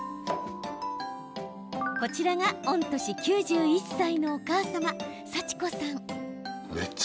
こちらが御年９１歳のお母様幸子さん。